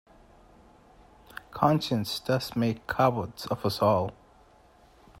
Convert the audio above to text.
Conscience does make cowards of us all